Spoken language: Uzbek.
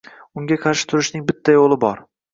Unga qarshi turishning bitta yoʻli bor